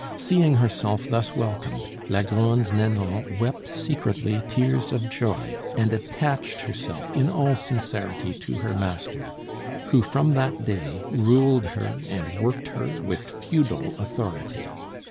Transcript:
Seeing herself thus welcomed, la Grande Nanon wept secretly tears of joy, and attached herself in all sincerity to her master, who from that day ruled her and worked her with feudal authority.